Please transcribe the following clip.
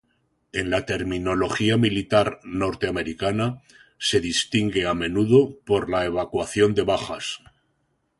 En la terminología militar norteamericana, se distingue a menudo por la evacuación de bajas.